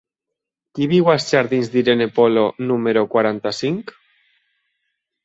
Qui viu als jardins d'Irene Polo número quaranta-cinc?